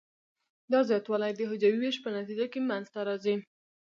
دا زیاتوالی د حجروي ویش په نتیجه کې منځ ته راځي.